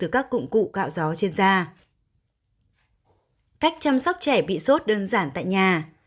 cách chăm sóc trẻ bị sốt đơn giản tại nhà